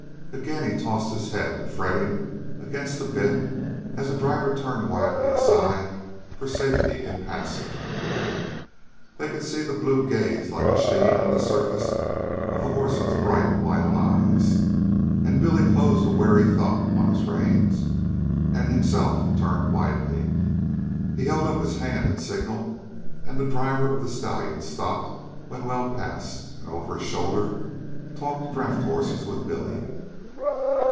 Again he tossed his head, fretting against the bit as the driver turned widely aside for safety in passing. They could see the blue glaze like a sheen on the surface of the horse's bright, wild eyes, and Billy closed a wary thumb on his reins and himself turned widely. He held up his hand in signal, and the driver of the stallion stopped when well past, and over his shoulder talked draught horses with Billy.